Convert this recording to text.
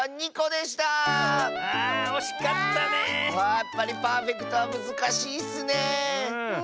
やっぱりパーフェクトはむずかしいッスねえ。